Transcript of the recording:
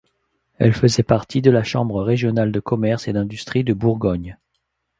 Elle faisait partie de la Chambre régionale de commerce et d'industrie de Bourgogne.